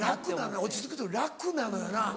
落ち着くと楽なのよな。